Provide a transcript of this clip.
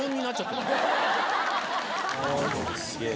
すげえ。